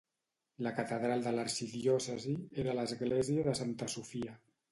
La catedral de l'arxidiòcesi era l'església de Santa Sofia.